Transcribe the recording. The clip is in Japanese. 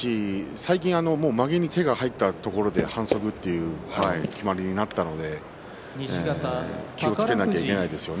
最近はまげに手が入ったところで反則という決まりになったので気をつけなきゃいけないですね。